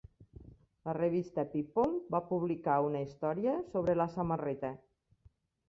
La revista People va publicar una història sobre la samarreta.